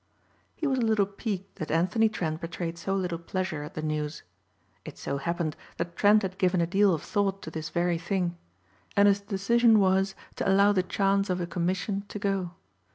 He was a little piqued that Anthony Trent betrayed so little pleasure at the news. It so happened that Trent had given a deal of thought to this very thing. And his decision was to allow the chance of a commission to go.